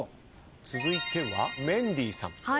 続いてはメンディーさん。